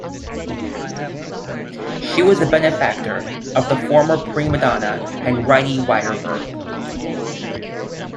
She was the benefactor of the former primadonna Henriette Widerberg.